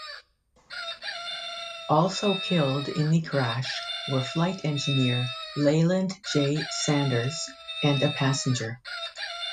Also killed in the crash were flight engineer Leland J. Sanders, and a passenger.